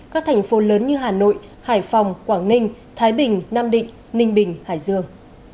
các thành phố lớn như hà nội hải phòng quảng ninh thái bình nam định ninh bình hải dương